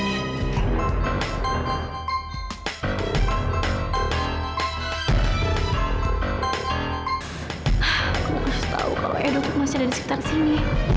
aku harus tahu kalau eh dok masih ada di sekitar sini